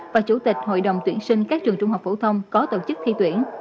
và chủ tịch hội đồng tuyển sinh các trường trung học phổ thông có tổ chức thi tuyển